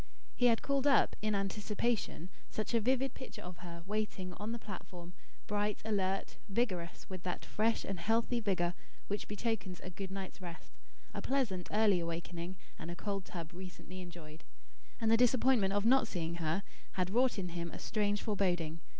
He had called up, in anticipation, such a vivid picture of her, waiting on the platform, bright, alert, vigorous, with that fresh and healthy vigour which betokens a good night's rest, a pleasant early awakening, and a cold tub recently enjoyed, and the disappointment of not seeing her had wrought in him a strange foreboding.